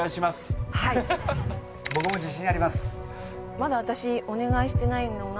まだ私お願いしてないのが。